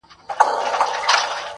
کليوال ژوند بدل ښکاري ظاهراً-